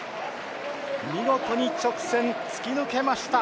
見事に直線、突き抜けました。